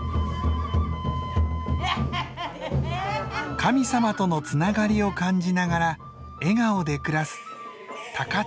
神様とのつながりを感じながら笑顔で暮らす高千穂の夜神楽です。